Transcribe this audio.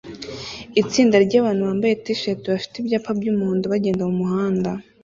Itsinda ryabantu bambaye t-shati bafite ibyapa byumuhondo bagenda mumuhanda